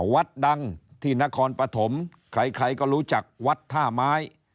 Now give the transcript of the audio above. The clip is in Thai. วัดดังที่นครปฐมใครใครก็รู้จักวัดท่าไม้